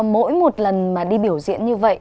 mỗi một lần mà đi biểu diễn như vậy